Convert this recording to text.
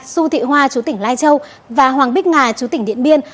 xu thị hoa chú tỉnh lai châu và hoàng bích ngà chú tỉnh điện biên